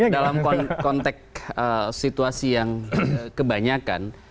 dalam konteks situasi yang kebanyakan